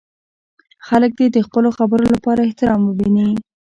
خلک دې د خپلو خبرو لپاره احترام وویني.